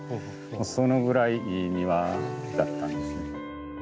そのぐらいいい庭だったんですね。